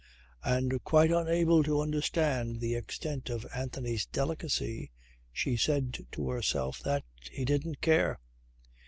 And quite unable to understand the extent of Anthony's delicacy, she said to herself that "he didn't care."